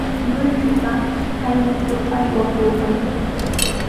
Lluychuqa aywikur aywakurqan.